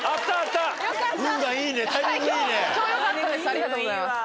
ありがとうございます。